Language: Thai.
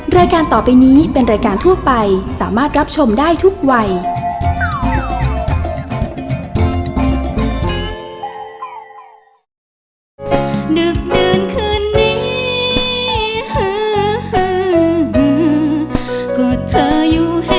รายการต่อไปนี้เป็นรายการทั่วไปสามารถรับชมได้ทุกวัย